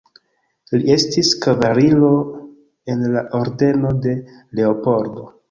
Li estis kavaliro en la Ordeno de Leopoldo.